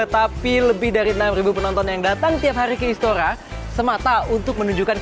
tapi lebih dari enam ribu penonton yang datang tiap hari ke istora